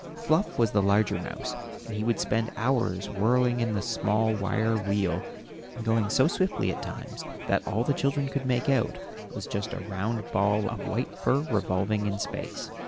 Fluff was the larger mouse, and he would spend hours whirling about in the small wire wheel, going so swiftly at times that all the children could make out was just a round ball of white fur revolving in space.